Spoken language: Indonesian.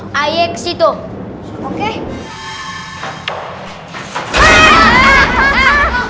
kagak ada man